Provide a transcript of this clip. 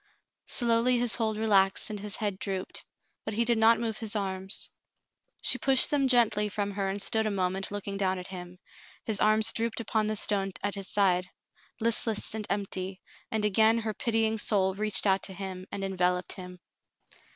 Slowly his hold relaxed and his head drooped, but he did not move his arms. She pushed them gently from her and stood a moment looking down at him. His arms dropped upon the stone at his side, listless and empty, and again her pitying soul reached out to him and envel oped him.